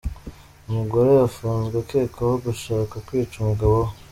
Umugore afunzwe akekwaho gushaka kwica umugabo we